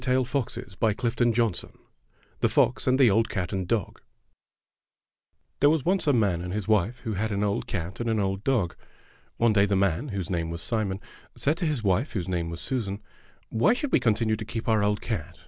THE FOX AND THE OLD CAT AND DOG THE FOX AND THE OLD CAT AND DOG T here was once a man and his wife who had an old cat and an old dog. One day the man, whose name was Simon, said to his wife, whose name was Susan: "Why should we continue to keep our old cat?